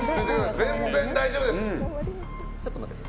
全然大丈夫です。